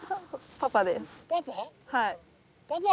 パパ！